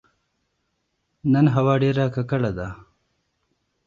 نن هوا ډيره کړه ده